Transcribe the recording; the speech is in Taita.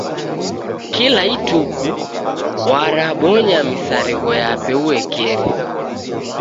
Kila ituku warabonya misarigho yape uekeri.